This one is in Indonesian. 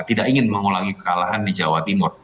tidak ingin mengulangi kekalahan di jawa timur